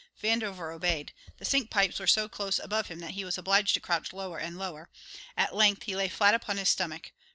Vandover obeyed. The sink pipes were so close above him that he was obliged to crouch lower and lower; at length he lay flat upon his stomach.